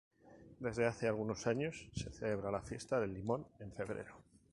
Desde hace algunos años se celebra la Fiesta del Limón, en febrero.